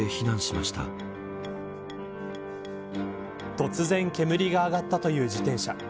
突然、煙が上がったという自転車。